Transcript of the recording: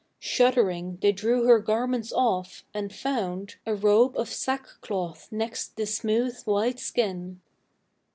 Shuddering, they drew her garments off and found A robe of sackcloth next the smooth, white skin.